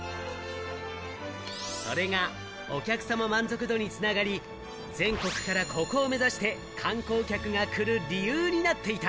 それがお客様満足度につながり、全国からここを目指して観光客が来る理由になっていた。